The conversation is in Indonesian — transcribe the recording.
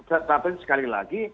tetapi sekali lagi